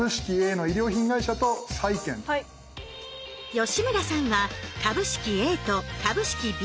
吉村さんは株式Ａと株式Ｂをチョイス。